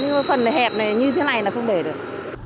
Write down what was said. nhưng mà phần này hẹp này như thế này là không để được